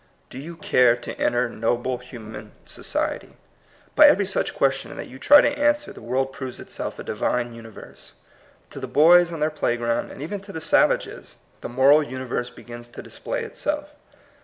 Do you care to enter noble human society? By every such question that you try to an swer the world proves itself a Divine uni verse. To the boys on their playground, and even to savages, the moral imiverse begins to display itself.